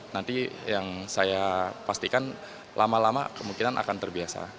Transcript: nanti yang saya pastikan lama lama kemungkinan akan terbiasa